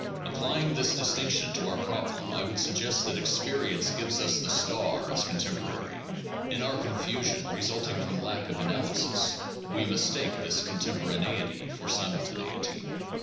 Applying this distinction to our problem I would suggest that experience gives us the star as contemporary; in our confusion resulting from lack of analysis we mistake this contemporaneity for simultaneity.